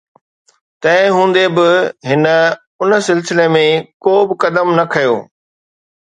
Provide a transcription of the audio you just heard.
تنهن هوندي به هن ان سلسلي ۾ ڪو به قدم نه کنيو